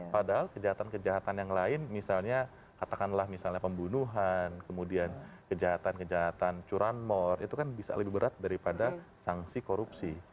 padahal kejahatan kejahatan yang lain misalnya katakanlah misalnya pembunuhan kemudian kejahatan kejahatan curanmor itu kan bisa lebih berat daripada sanksi korupsi